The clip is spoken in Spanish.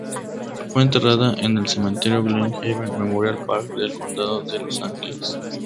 Fue enterrada en el Cementerio Glen Haven Memorial Park del condado de Los Ángeles.